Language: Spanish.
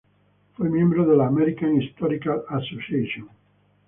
Fue miembro de la American Historical Association.